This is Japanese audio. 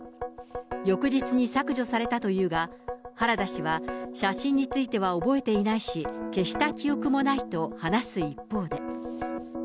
翌日に削除されたというが、原田氏は写真については覚えていないし、消した記憶もないと話す一方で。